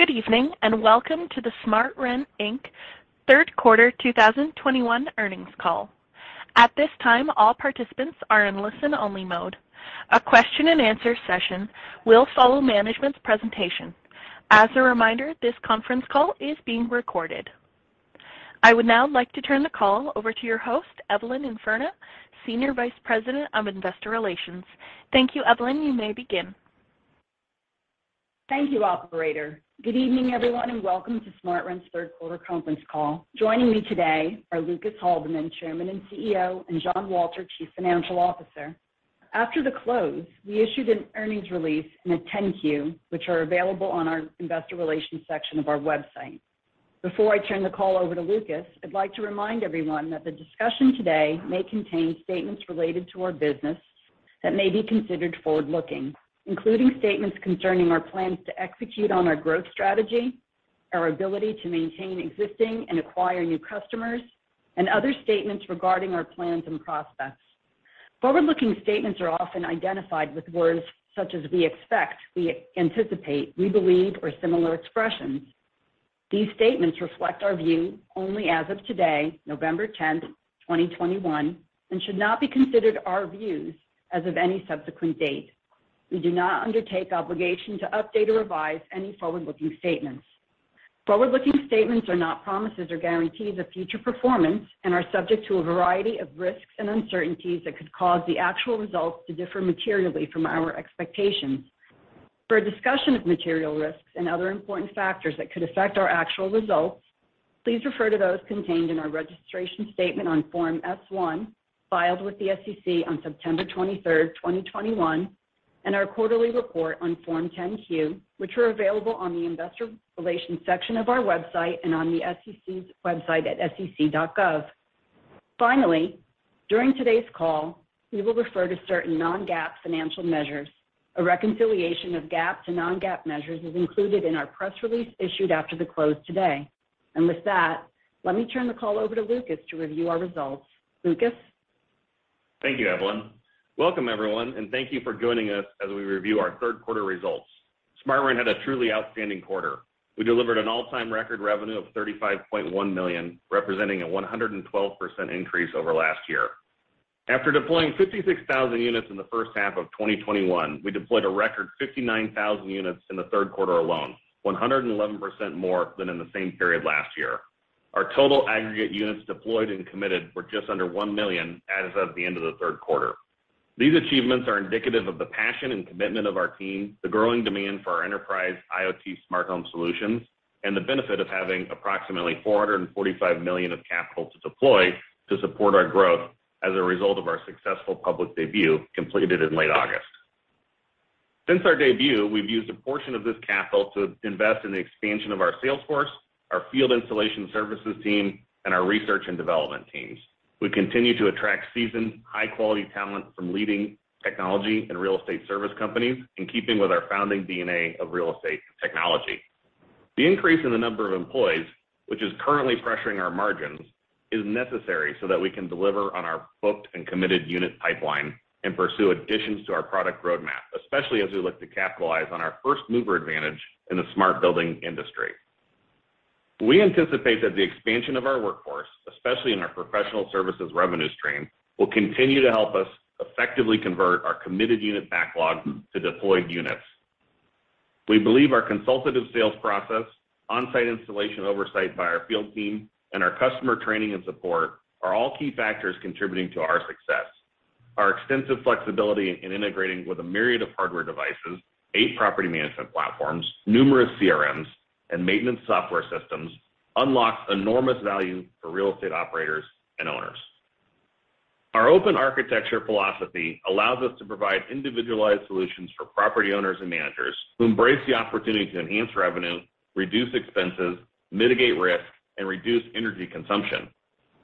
Good evening, and welcome to the SmartRent, Inc. Third Quarter 2021 Earnings Call. At this time, all participants are in listen-only mode. A question-and-answer session will follow management's presentation. As a reminder, this conference call is being recorded. I would now like to turn the call over to your host, Evelyn Infurna, Senior Vice President of Investor Relations. Thank you, Evelyn. You may begin. Thank you, operator. Good evening, everyone, and welcome to SmartRent's third quarter conference call. Joining me today are Lucas Haldeman, Chairman and CEO, and John Wolter, Chief Financial Officer. After the close, we issued an earnings release and a 10-Q, which are available on our investor relations section of our website. Before I turn the call over to Lucas, I'd like to remind everyone that the discussion today may contain statements related to our business that may be considered forward-looking, including statements concerning our plans to execute on our growth strategy, our ability to maintain existing and acquire new customers, and other statements regarding our plans and prospects. Forward-looking statements are often identified with words such as "we expect," "we anticipate," "we believe," or similar expressions. These statements reflect our view only as of today, November 10th, 2021, and should not be considered our views as of any subsequent date. We do not undertake obligation to update or revise any forward-looking statements. Forward-looking statements are not promises or guarantees of future performance and are subject to a variety of risks and uncertainties that could cause the actual results to differ materially from our expectations. For a discussion of material risks and other important factors that could affect our actual results, please refer to those contained in our registration statement on Form S-1, filed with the SEC on September 23rd, 2021, and our quarterly report on Form 10-Q, which are available on the investor relations section of our website and on the SEC's website at sec.gov. Finally, during today's call, we will refer to certain non-GAAP financial measures. A reconciliation of GAAP to non-GAAP measures is included in our press release issued after the close today. With that, let me turn the call over to Lucas to review our results. Lucas? Thank you, Evelyn. Welcome, everyone, and thank you for joining us as we review our third quarter results. SmartRent had a truly outstanding quarter. We delivered an all-time record revenue of $35.1 million, representing a 112% increase over last year. After deploying 56,000 units in the first half of 2021, we deployed a record 59,000 units in the third quarter alone, 111% more than in the same period last year. Our total aggregate units deployed and committed were just under 1 million as of the end of the third quarter. These achievements are indicative of the passion and commitment of our team, the growing demand for our enterprise IoT smart home solutions, and the benefit of having approximately $445 million of capital to deploy to support our growth as a result of our successful public debut completed in late August. Since our debut, we've used a portion of this capital to invest in the expansion of our sales force, our field installation services team, and our research and development teams. We continue to attract seasoned, high-quality talent from leading technology and real estate service companies in keeping with our founding DNA of real estate technology. The increase in the number of employees, which is currently pressuring our margins, is necessary so that we can deliver on our booked and committed unit pipeline and pursue additions to our product roadmap, especially as we look to capitalize on our first-mover advantage in the smart building industry. We anticipate that the expansion of our workforce, especially in our Professional Services revenue stream, will continue to help us effectively convert our committed unit backlog to deployed units. We believe our consultative sales process, on-site installation oversight by our field team, and our customer training and support are all key factors contributing to our success. Our extensive flexibility in integrating with a myriad of hardware devices, 8 property management platforms, numerous CRMs, and maintenance software systems unlocks enormous value for real estate operators and owners. Our open architecture philosophy allows us to provide individualized solutions for property owners and managers who embrace the opportunity to enhance revenue, reduce expenses, mitigate risk, and reduce energy consumption.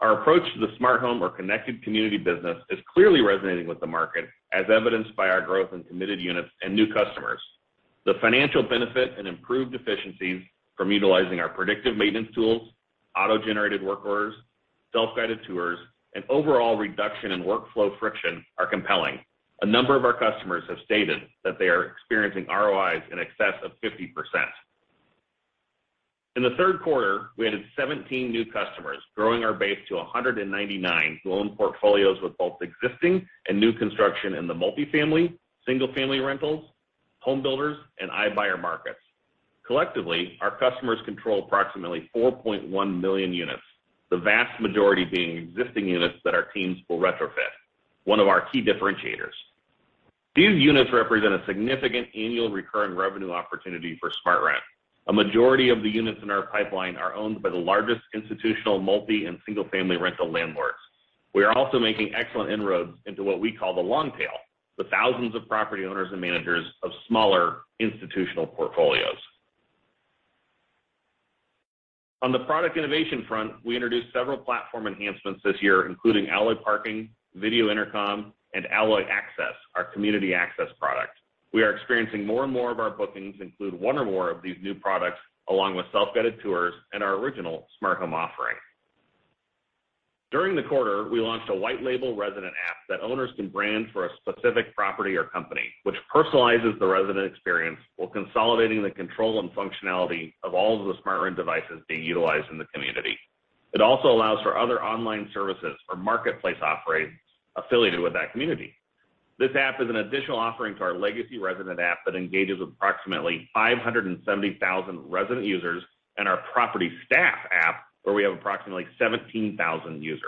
Our approach to the smart home or connected community business is clearly resonating with the market, as evidenced by our growth in committed units and new customers. The financial benefit and improved efficiencies from utilizing our predictive maintenance tools, auto-generated work orders, Self-Guided Tours, and overall reduction in workflow friction are compelling. A number of our customers have stated that they are experiencing ROIs in excess of 50%. In the third quarter, we added 17 new customers, growing our base to 199 who own portfolios with both existing and new construction in the multifamily, single-family rentals, home builders, and iBuyer markets. Collectively, our customers control approximately 4.1 million units, the vast majority being existing units that our teams will retrofit, one of our key differentiators. These units represent a significant annual recurring revenue opportunity for SmartRent. A majority of the units in our pipeline are owned by the largest institutional multifamily and single-family rental landlords. We are also making excellent inroads into what we call the long tail, the thousands of property owners and managers of smaller institutional portfolios. On the product innovation front, we introduced several platform enhancements this year, including Alloy Parking, Video Intercom, and Alloy Access, our community access product. We are experiencing more and more of our bookings include one or more of these new products, along with Self-Guided Tours and our original smart home offering. During the quarter, we launched a white label resident app that owners can brand for a specific property or company, which personalizes the resident experience while consolidating the control and functionality of all of the SmartRent devices being utilized in the community. It also allows for other online services or marketplace operators affiliated with that community. This app is an additional offering to our legacy resident app that engages approximately 570,000 resident users and our property staff app, where we have approximately 17,000 users.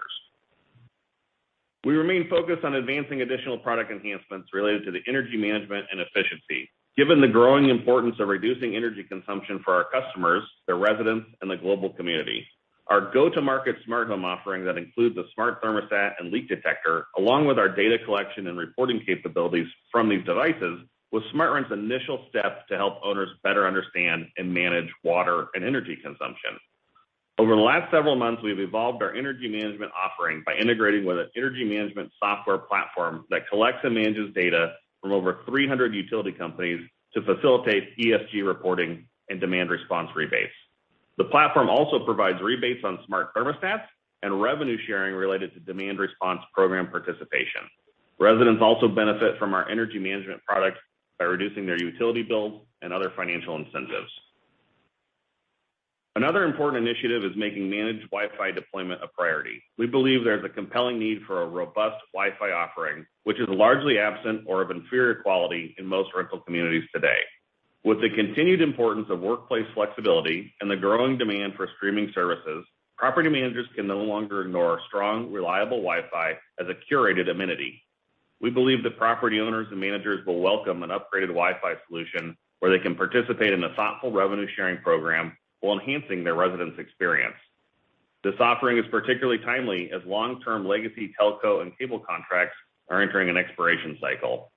We remain focused on advancing additional product enhancements related to the energy management and efficiency. Given the growing importance of reducing energy consumption for our customers, their residents, and the global community, our go-to-market smart home offering that includes a smart thermostat and leak detector, along with our data collection and reporting capabilities from these devices, was SmartRent's initial step to help owners better understand and manage water and energy consumption. Over the last several months, we've evolved our energy management offering by integrating with an energy management software platform that collects and manages data from over 300 utility companies to facilitate ESG reporting and demand response rebates. The platform also provides rebates on smart thermostats and revenue sharing related to demand response program participation. Residents also benefit from our energy management products by reducing their utility bills and other financial incentives. Another important initiative is making managed Wi-Fi deployment a priority. We believe there's a compelling need for a robust Wi-Fi offering, which is largely absent or of inferior quality in most rental communities today. With the continued importance of workplace flexibility and the growing demand for streaming services, property managers can no longer ignore strong, reliable Wi-Fi as a curated amenity. We believe that property owners and managers will welcome an upgraded Wi-Fi solution where they can participate in a thoughtful revenue sharing program while enhancing their residents' experience. This offering is particularly timely as long-term legacy telco and cable contracts are entering an expiration cycle.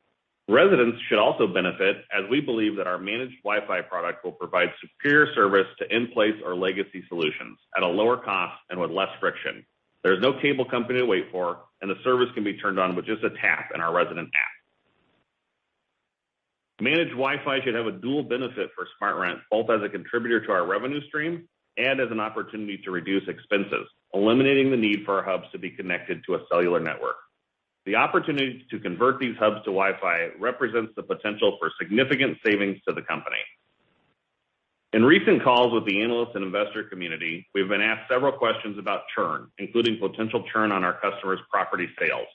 Residents should also benefit, as we believe that our managed Wi-Fi product will provide superior service to in-place or legacy solutions at a lower cost and with less friction. There is no cable company to wait for, and the service can be turned on with just a tap in our resident app. Managed Wi-Fi should have a dual benefit for SmartRent, both as a contributor to our revenue stream and as an opportunity to reduce expenses, eliminating the need for our hubs to be connected to a cellular network. The opportunity to convert these hubs to Wi-Fi represents the potential for significant savings to the company. In recent calls with the analysts and investor community, we've been asked several questions about churn, including potential churn on our customers' property sales.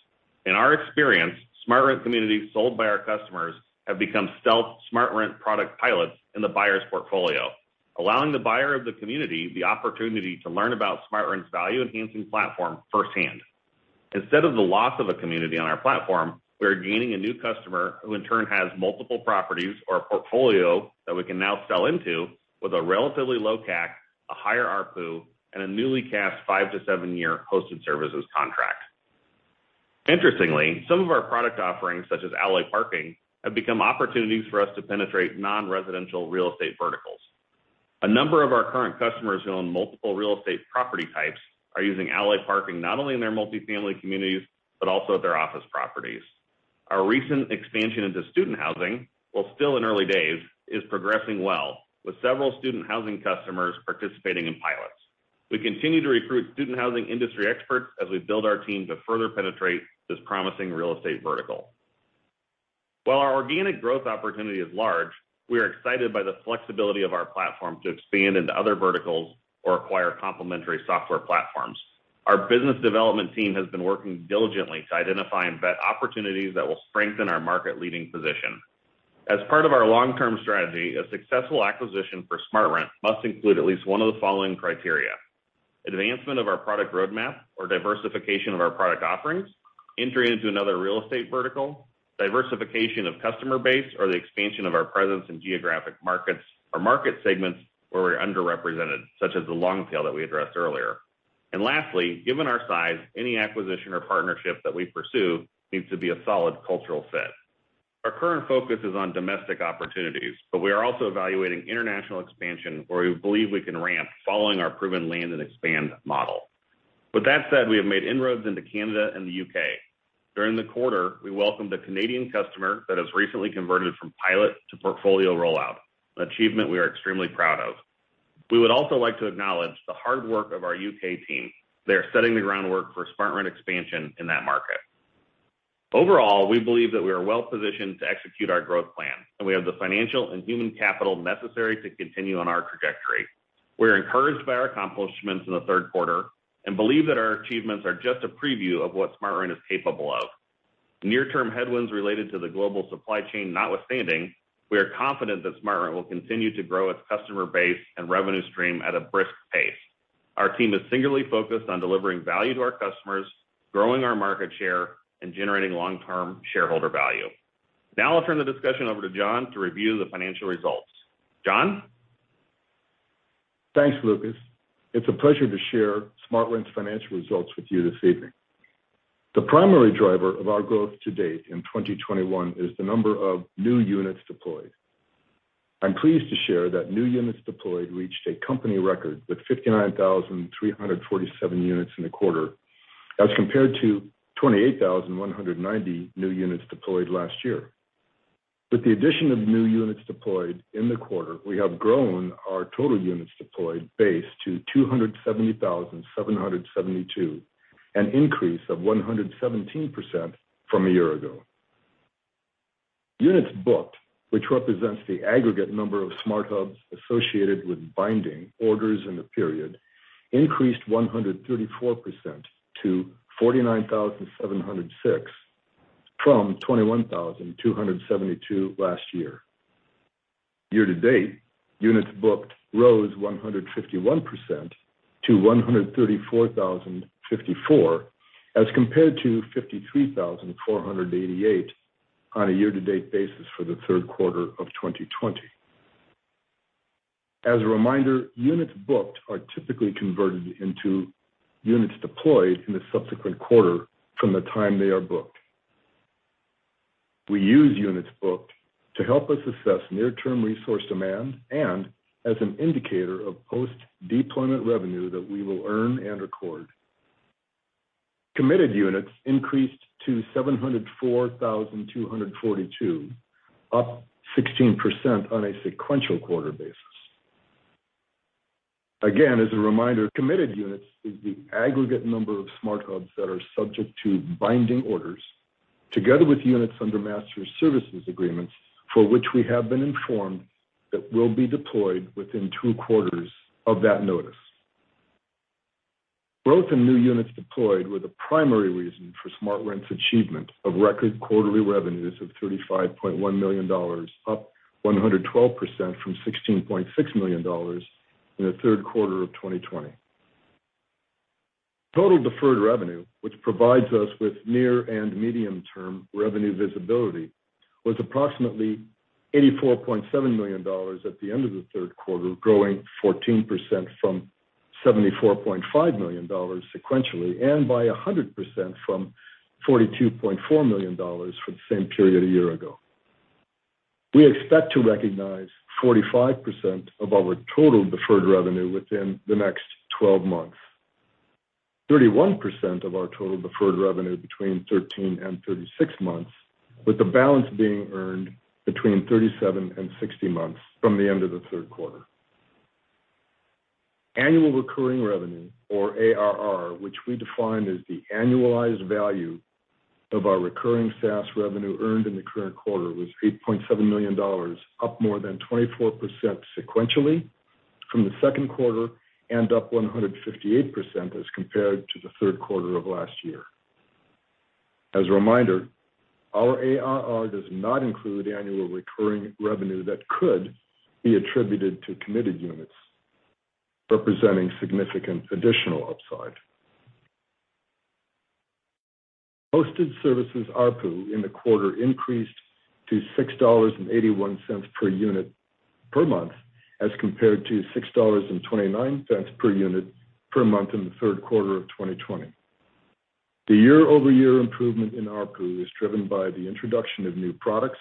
In our experience, SmartRent communities sold by our customers have become stealth SmartRent product pilots in the buyer's portfolio, allowing the buyer of the community the opportunity to learn about SmartRent's value-enhancing platform firsthand. Instead of the loss of a community on our platform, we are gaining a new customer who in turn has multiple properties or a portfolio that we can now sell into with a relatively low CAC, a higher ARPU, and a newly cast 5- to 7-year Hosted Services contract. Interestingly, some of our product offerings, such as Alloy Parking, have become opportunities for us to penetrate non-residential real estate verticals. A number of our current customers who own multiple real estate property types are using Alloy Parking not only in their multifamily communities, but also at their office properties. Our recent expansion into student housing, while still in early days, is progressing well, with several student housing customers participating in pilots. We continue to recruit student housing industry experts as we build our team to further penetrate this promising real estate vertical. While our organic growth opportunity is large, we are excited by the flexibility of our platform to expand into other verticals or acquire complementary software platforms. Our business development team has been working diligently to identify and vet opportunities that will strengthen our market-leading position. As part of our long-term strategy, a successful acquisition for SmartRent must include at least one of the following criteria. Advancement of our product roadmap or diversification of our product offerings, entry into another real estate vertical, diversification of customer base or the expansion of our presence in geographic markets or market segments where we're underrepresented, such as the long tail that we addressed earlier. Lastly, given our size, any acquisition or partnership that we pursue needs to be a solid cultural fit. Our current focus is on domestic opportunities, but we are also evaluating international expansion where we believe we can ramp following our proven land and expand model. With that said, we have made inroads into Canada and the U.K. During the quarter, we welcomed a Canadian customer that has recently converted from pilot to portfolio rollout, an achievement we are extremely proud of. We would also like to acknowledge the hard work of our U.K. team. They are setting the groundwork for SmartRent expansion in that market. Overall, we believe that we are well-positioned to execute our growth plan, and we have the financial and human capital necessary to continue on our trajectory. We are encouraged by our accomplishments in the third quarter and believe that our achievements are just a preview of what SmartRent is capable of. Near-term headwinds related to the global supply chain notwithstanding, we are confident that SmartRent will continue to grow its customer base and revenue stream at a brisk pace. Our team is singularly focused on delivering value to our customers, growing our market share, and generating long-term shareholder value. Now I'll turn the discussion over to John to review the financial results. John? Thanks, Lucas. It's a pleasure to share SmartRent's financial results with you this evening. The primary driver of our growth to date in 2021 is the number of new units deployed. I'm pleased to share that new units deployed reached a company record with 59,347 units in the quarter as compared to 28,190 new units deployed last year. With the addition of new units deployed in the quarter, we have grown our total units deployed base to 270,772, an increase of 117% from a year ago. Units booked, which represents the aggregate number of Smart Hubs associated with binding orders in the period, increased 134% to 49,706 from 21,272 last year. Year-to-date, units booked rose 151% to 134,054 as compared to 53,488 on a year-to-date basis for the third quarter of 2020. As a reminder, units booked are typically converted into units deployed in the subsequent quarter from the time they are booked. We use units booked to help us assess near-term resource demand and as an indicator of post-deployment revenue that we will earn and record. Committed units increased to 704,242, up 16% on a sequential quarter basis. Again, as a reminder, committed units is the aggregate number of Smart Hubs that are subject to binding orders together with units under master services agreements for which we have been informed that will be deployed within two quarters of that notice. Growth in new units deployed were the primary reason for SmartRent's achievement of record quarterly revenues of $35.1 million, up 112% from $16.6 million in the third quarter of 2020. Total deferred revenue, which provides us with near and medium-term revenue visibility, was approximately $84.7 million at the end of the third quarter, growing 14% from $74.5 million sequentially, and by 100% from $42.4 million for the same period a year ago. We expect to recognize 45% of our total deferred revenue within the next 12 months, 31% of our total deferred revenue between 13 and 36 months, with the balance being earned between 37 and 60 months from the end of the third quarter. Annual recurring revenue or ARR, which we define as the annualized value of our recurring SaaS revenue earned in the current quarter, was $8.7 million, up more than 24% sequentially from the second quarter, and up 158% as compared to the third quarter of last year. As a reminder, our ARR does not include annual recurring revenue that could be attributed to committed units, representing significant additional upside. Hosted services ARPU in the quarter increased to $6.81 per unit per month as compared to $6.29 per unit per month in the third quarter of 2020. The year-over-year improvement in ARPU is driven by the introduction of new products,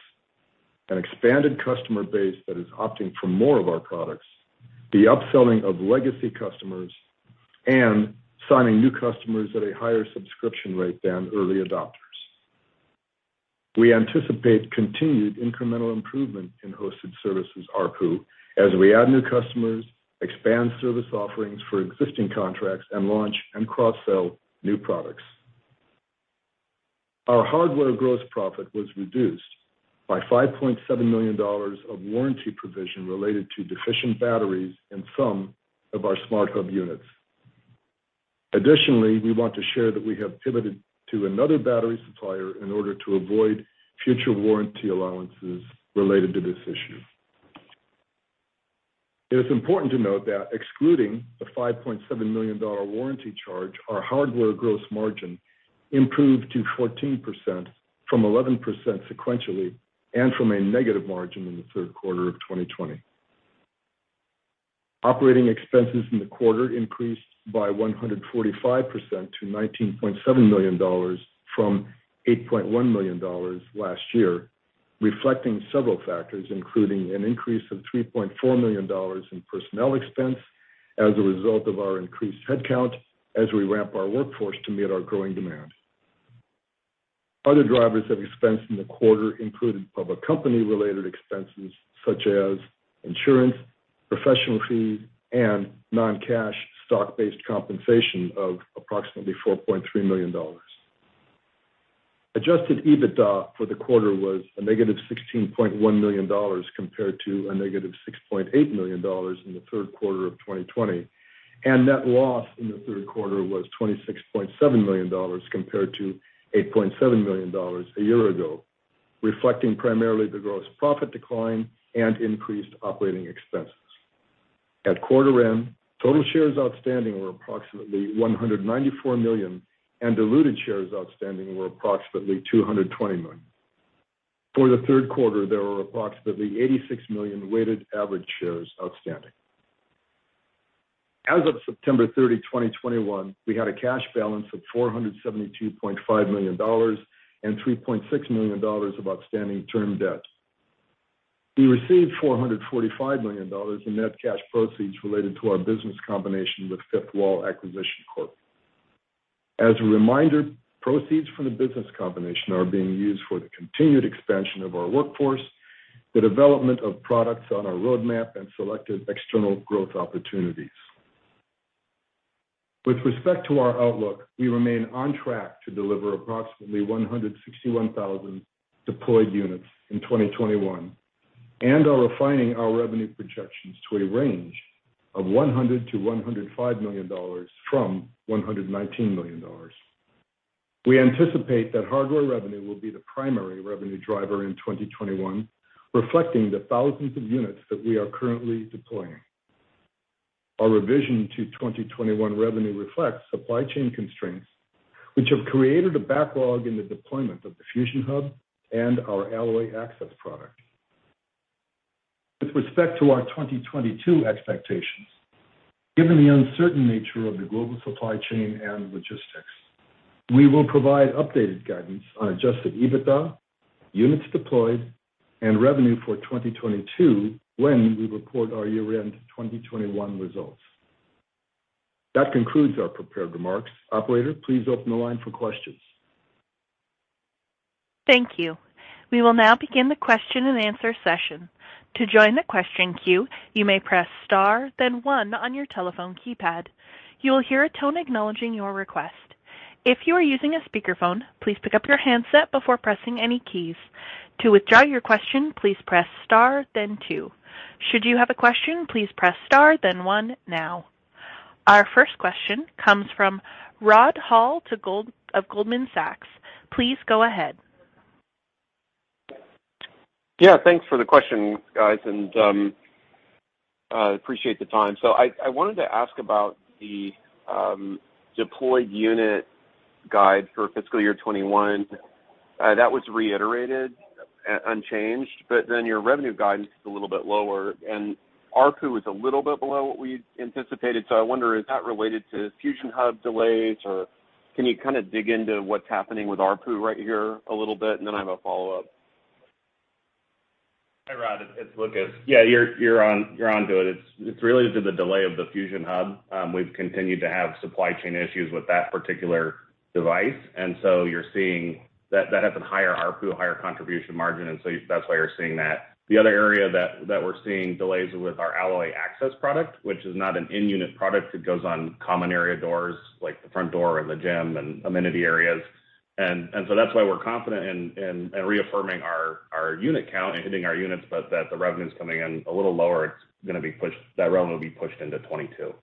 an expanded customer base that is opting for more of our products, the upselling of legacy customers, and signing new customers at a higher subscription rate than early adopters. We anticipate continued incremental improvement in Hosted Services ARPU as we add new customers, expand service offerings for existing contracts, and launch and cross-sell new products. Our hardware gross profit was reduced by $5.7 million of warranty provision related to deficient batteries in some of our Smart Hubs units. Additionally, we want to share that we have pivoted to another battery supplier in order to avoid future warranty allowances related to this issue. It is important to note that excluding the $5.7 million warranty charge, our hardware gross margin improved to 14% from 11% sequentially and from a negative margin in the third quarter of 2020. Operating expenses in the quarter increased by 145% to $19.7 million from $8.1 million last year, reflecting several factors, including an increase of $3.4 million in personnel expense as a result of our increased headcount as we ramp our workforce to meet our growing demand. Other drivers of expense in the quarter included public company-related expenses such as insurance, professional fees, and non-cash stock-based compensation of approximately $4.3 million. Adjusted EBITDA for the quarter was -$16.1 million compared to -$6.8 million in the third quarter of 2020. Net loss in the third quarter was $26.7 million compared to $8.7 million a year ago, reflecting primarily the gross profit decline and increased operating expenses. At quarter end, total shares outstanding were approximately 194 million, and diluted shares outstanding were approximately 220 million. For the third quarter, there were approximately 86 million weighted average shares outstanding. As of September 30, 2021, we had a cash balance of $472.5 million and $3.6 million of outstanding term debt. We received $445 million in net cash proceeds related to our business combination with Fifth Wall Acquisition Corp. As a reminder, proceeds from the business combination are being used for the continued expansion of our workforce, the development of products on our roadmap, and selected external growth opportunities. With respect to our outlook, we remain on track to deliver approximately 161,000 deployed units in 2021 and are refining our revenue projections to a range of $100 million-$105 million from $119 million. We anticipate that hardware revenue will be the primary revenue driver in 2021, reflecting the thousands of units that we are currently deploying. Our revision to 2021 revenue reflects supply chain constraints, which have created a backlog in the deployment of the Fusion Hub and our Alloy Access product. With respect to our 2022 expectations, given the uncertain nature of the global supply chain and logistics, we will provide updated guidance on adjusted EBITDA, units deployed and revenue for 2022 when we report our year-end 2021 results. That concludes our prepared remarks. Operator, please open the line for questions. Thank you. We will now begin the question-and-answer session. To join the question queue, you may press star then one on your telephone keypad. You will hear a tone acknowledging your request. If you are using a speakerphone, please pick up your handset before pressing any keys. To withdraw your question, please press star then two. Should you have a question, please press star then one now. Our first question comes from Rod Hall of Goldman Sachs. Please go ahead. Yeah, thanks for the questions, guys, and I appreciate the time. I wanted to ask about the deployed unit guide for fiscal year 2021. That was reiterated unchanged, but then your revenue guidance is a little bit lower, and ARPU is a little bit below what we anticipated. I wonder, is that related to Fusion Hub delays or can you kind of dig into what's happening with ARPU right here a little bit? I have a follow-up. Hi, Rod. It's Lucas. Yeah, you're on to it. It's related to the delay of the Fusion Hub. We've continued to have supply chain issues with that particular device, and so you're seeing that has a higher ARPU, a higher contribution margin, and so that's why you're seeing that. The other area that we're seeing delays with our Alloy Access product, which is not an in-unit product. It goes on common area doors, like the front door of the gym and amenity areas. So that's why we're confident in reaffirming our unit count and hitting our units, but that the revenue's coming in a little lower. It's gonna be pushed. That revenue will be pushed into 2022.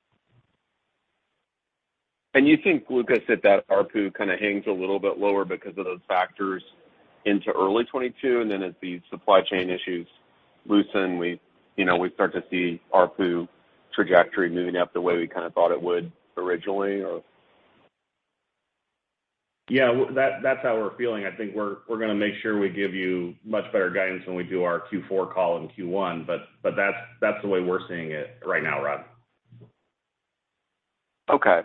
You think, Lucas, that ARPU kinda hangs a little bit lower because of those factors into early 2022, and then as the supply chain issues loosen, we, you know, we start to see ARPU trajectory moving up the way we kinda thought it would originally or? Yeah, that's how we're feeling. I think we're gonna make sure we give you much better guidance when we do our Q4 call and Q1, but that's the way we're seeing it right now, Rod. Okay.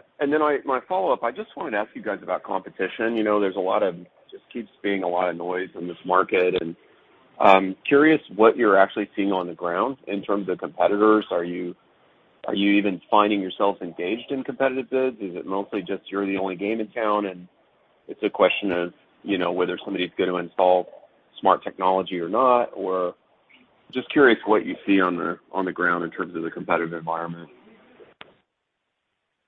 My follow-up, I just wanted to ask you guys about competition. You know, it just keeps being a lot of noise in this market, and curious what you're actually seeing on the ground in terms of competitors. Are you even finding yourself engaged in competitive bids? Is it mostly just you're the only game in town, and it's a question of, you know, whether somebody's gonna install smart technology or not? Or just curious what you see on the ground in terms of the competitive environment.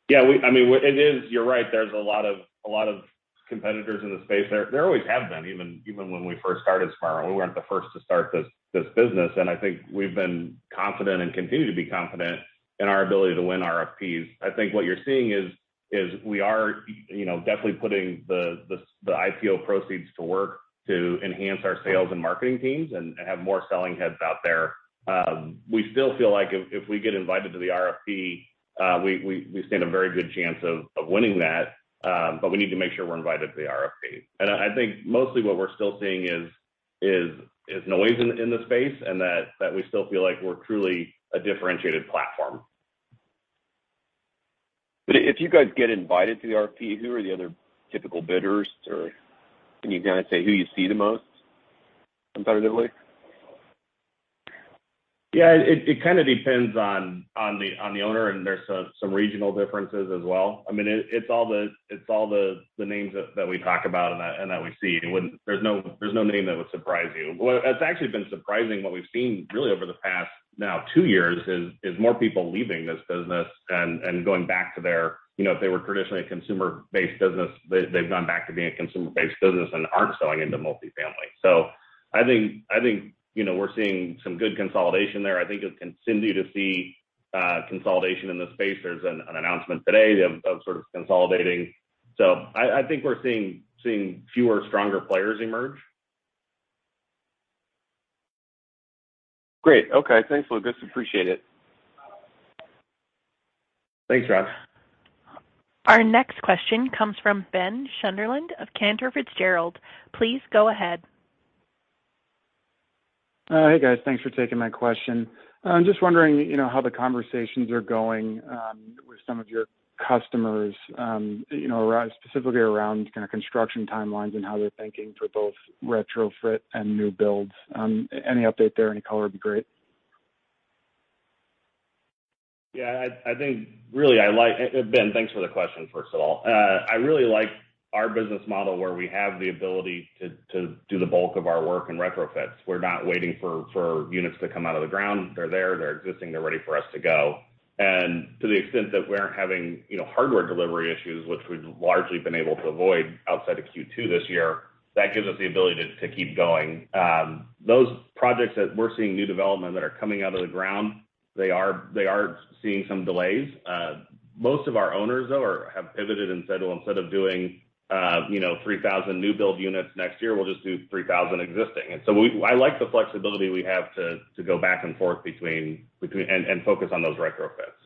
Yeah, I mean, it is, you're right. There's a lot of competitors in the space. There always have been, even when we first started SmartRent, we weren't the first to start this business. I think we've been confident and continue to be confident in our ability to win RFPs. I think what you're seeing is we are, you know, definitely putting the IPO proceeds to work to enhance our sales and marketing teams and have more selling heads out there. We still feel like if we get invited to the RFP, we stand a very good chance of winning that, but we need to make sure we're invited to the RFP. I think mostly what we're still seeing is noise in the space, and that we still feel like we're truly a differentiated platform. If you guys get invited to the RFP, who are the other typical bidders, or can you kinda say who you see the most competitively? Yeah, it kinda depends on the owner, and there's some regional differences as well. I mean, it's all the names that we talk about and that we see. There's no name that would surprise you. What has actually been surprising, what we've seen really over the past now two years is more people leaving this business and going back to their, you know, if they were traditionally a consumer-based business, they've gone back to being a consumer-based business and aren't selling into multifamily. I think, you know, we're seeing some good consolidation there. I think we continue to see consolidation in the space. There's an announcement today of sort of consolidating. I think we're seeing fewer stronger players emerge. Great. Okay. Thanks, Lucas. Appreciate it. Thanks, Rod. Our next question comes from Brett Knoblauch of Cantor Fitzgerald. Please go ahead. Hey, guys. Thanks for taking my question. I'm just wondering, you know, how the conversations are going with some of your customers, you know, specifically around kinda construction timelines and how they're thinking for both retrofit and new builds. Any update there, any color would be great. Yeah, I think really I like Brett, thanks for the question, first of all. I really like our business model where we have the ability to do the bulk of our work in retrofits. We're not waiting for units to come out of the ground. They're there, they're existing, they're ready for us to go. To the extent that we aren't having, you know, hardware delivery issues, which we've largely been able to avoid outside of Q2 this year, that gives us the ability to keep going. Those projects that we're seeing new development that are coming out of the ground, they are seeing some delays. Most of our owners, though, have pivoted and said, "Well, instead of doing 3,000 new-build units next year, we'll just do 3,000 existing." I like the flexibility we have to go back and forth between and focus on those retrofits.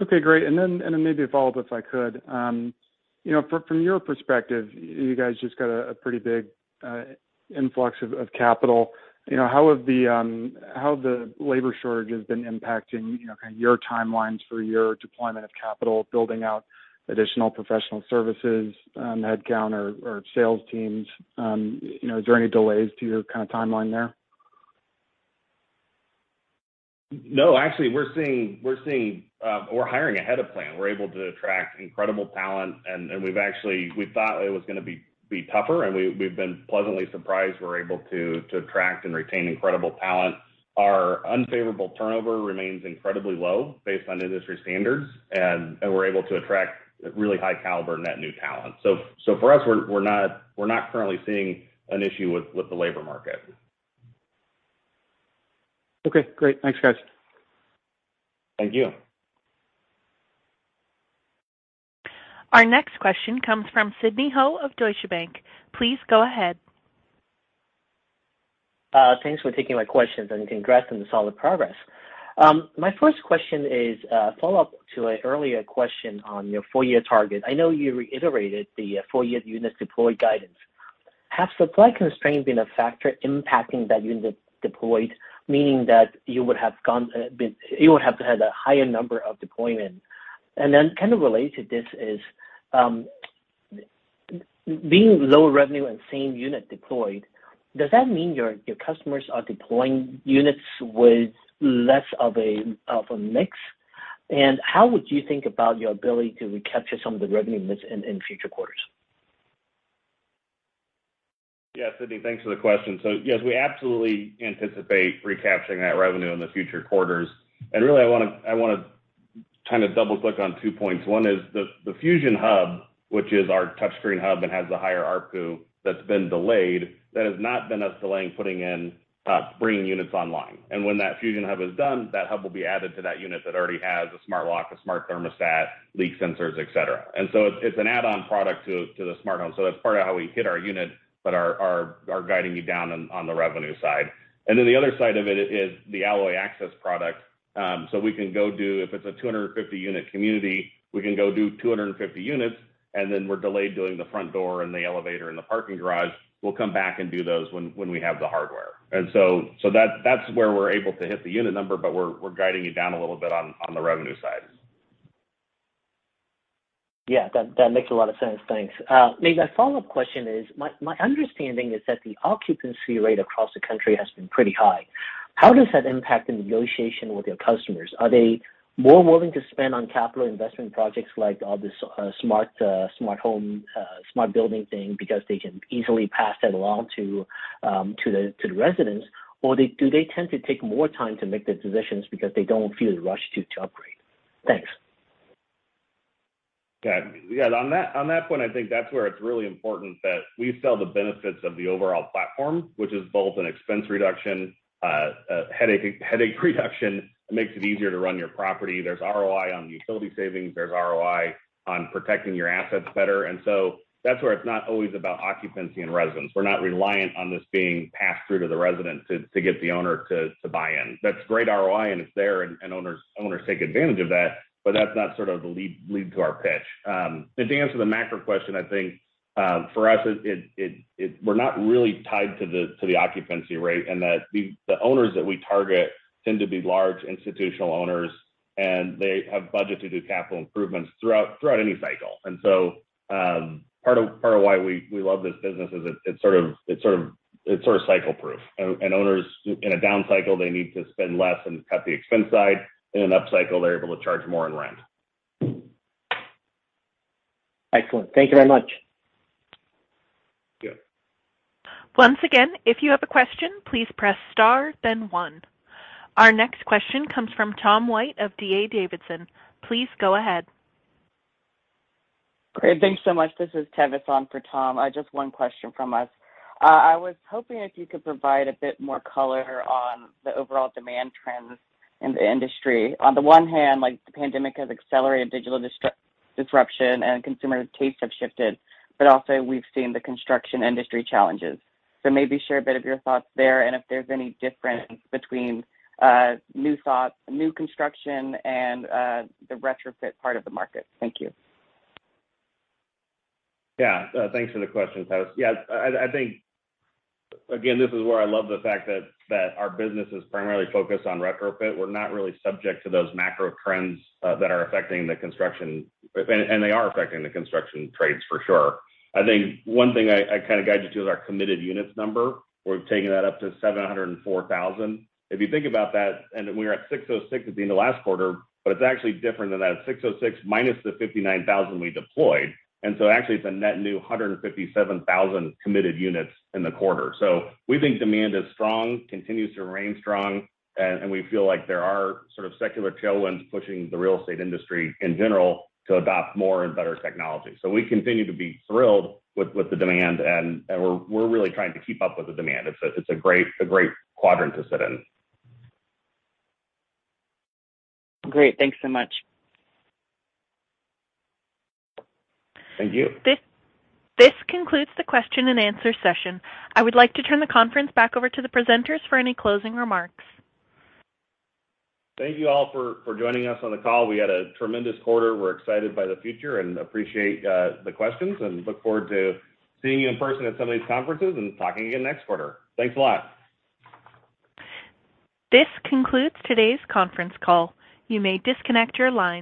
Okay, great. Maybe a follow-up, if I could. You know, from your perspective, you guys just got a pretty big influx of capital. You know, how have the labor shortages been impacting, you know, kind of your timelines for your deployment of capital, building out additional Professional Services, headcount or sales teams? You know, is there any delays to your kinda timeline there? No, actually we're seeing. We're hiring ahead of plan. We're able to attract incredible talent, and we thought it was gonna be tougher, and we've been pleasantly surprised we're able to attract and retain incredible talent. Our unfavorable turnover remains incredibly low based on industry standards, and we're able to attract really high caliber net new talent. For us, we're not currently seeing an issue with the labor market. Okay, great. Thanks, guys. Thank you. Our next question comes from Sidney Ho of Deutsche Bank. Please go ahead. Thanks for taking my questions and congrats on the solid progress. My first question is a follow-up to an earlier question on your full year target. I know you reiterated the full year units deployed guidance. Has supply constraints been a factor impacting that unit deployed, meaning that you would have had a higher number of deployment? And then kind of related to this is, being lower revenue and same unit deployed, does that mean your customers are deploying units with less of a mix? And how would you think about your ability to recapture some of the revenue miss in future quarters? Yeah, Sidney, thanks for the question. Yes, we absolutely anticipate recapturing that revenue in the future quarters. Really I wanna kind of double-click on two points. One is the Fusion Hub, which is our touchscreen hub and has the higher ARPU that's been delayed, that has not been us delaying bringing units online. When that Fusion Hub is done, that hub will be added to that unit that already has a smart lock, a smart thermostat, leak sensors, et cetera. It's an add-on product to the smart home. That's part of how we hit our unit but are guiding you down on the revenue side. Then the other side of it is the Alloy Access product. We can go do, if it's a 250-unit community, we can go do 250 units, and then we're delayed doing the front door and the elevator and the parking garage. We'll come back and do those when we have the hardware. That's where we're able to hit the unit number, but we're guiding it down a little bit on the revenue side. Yeah, that makes a lot of sense. Thanks. Maybe my follow-up question is, my understanding is that the occupancy rate across the country has been pretty high. How does that impact the negotiation with your customers? Are they more willing to spend on capital investment projects like all this, smart home, smart building thing because they can easily pass that along to the residents? Or do they tend to take more time to make the decisions because they don't feel the rush to upgrade? Thanks. Yeah, on that point, I think that's where it's really important that we sell the benefits of the overall platform, which is both an expense reduction, headache reduction. It makes it easier to run your property. There's ROI on the utility savings. There's ROI on protecting your assets better. That's where it's not always about occupancy and residents. We're not reliant on this being passed through to the resident to get the owner to buy in. That's great ROI, and it's there, and owners take advantage of that, but that's not sort of the lead to our pitch. To answer the macro question, I think, for us, we're not really tied to the occupancy rate and the owners that we target tend to be large institutional owners, and they have budget to do capital improvements throughout any cycle. Part of why we love this business is it's sort of cycle proof. Owners in a down cycle, they need to spend less and cut the expense side. In an up cycle, they're able to charge more in rent. Excellent. Thank you very much. Yeah. Once again, if you have a question, please press star then one. Our next question comes from Tom White of D.A. Davidson. Please go ahead. Great. Thanks so much. This is Tevis on for Tom. Just one question from us. I was hoping if you could provide a bit more color on the overall demand trends in the industry. On the one hand, like, the pandemic has accelerated digital disruption and consumer tastes have shifted, but also we've seen the construction industry challenges. Maybe share a bit of your thoughts there and if there's any difference between new construction and the retrofit part of the market. Thank you. Yeah. Thanks for the question, Tevis. Yeah, I think, again, this is where I love the fact that our business is primarily focused on retrofit. We're not really subject to those macro trends that are affecting the construction. They are affecting the construction trades for sure. I think one thing I kind of guide you to is our committed units number. We've taken that up to 704,000. If you think about that, we were at 606 at the end of last quarter, but it's actually different than that. 606 minus the 59,000 we deployed. Actually it's a net new 157,000 committed units in the quarter. We think demand is strong, continues to remain strong, and we feel like there are sort of secular tailwinds pushing the real estate industry in general to adopt more and better technology. We continue to be thrilled with the demand and we're really trying to keep up with the demand. It's a great quadrant to sit in. Great. Thanks so much. Thank you. This concludes the question and answer session. I would like to turn the conference back over to the presenters for any closing remarks. Thank you all for joining us on the call. We had a tremendous quarter. We're excited by the future and appreciate the questions and look forward to seeing you in person at some of these conferences and talking again next quarter. Thanks a lot. This concludes today's conference call. You may disconnect your lines.